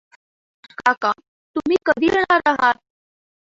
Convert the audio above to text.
काका तुम्ही कधी येणार आहात?